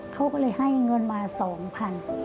เขาก็เลยให้เงินมา๒๐๐บาท